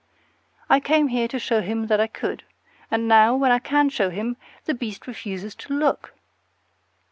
I came here to show him that I could; and now, when I can show him, the beast refuses to look.